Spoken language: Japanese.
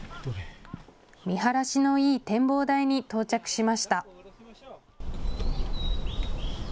見晴らしのいい展望台に到着しました。